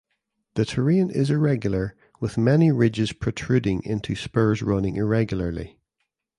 The terrain is irregular with many ridges protruding into spurs running irregularly.